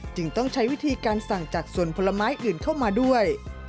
ต้องใช้วิธีการสั่งจากส่วนผลไม้อื่นเข้ามาด้วย